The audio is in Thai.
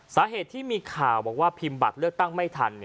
สาเหตุที่มีข่าวบอกว่าพิมพ์บัตรเลือกตั้งไม่ทัน